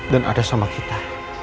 dan ada sama kita